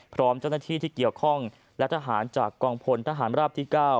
พร้อมเจ้าหน้าที่ที่เกี่ยวข้องและทหารจากกองพลทหารราบที่๙